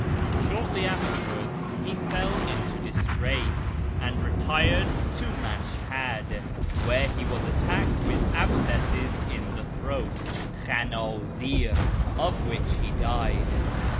' Shortly afterwards he fell into disgrace, and retired to Mashhad, where he was attacked with abscesses in the throat {khandzir), of which he died.